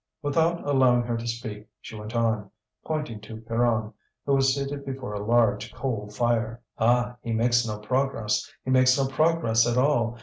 Without allowing her to speak, she went on, pointing to Pierron, who was seated before a large coal fire: "Ah! he makes no progress, he makes no progress at all.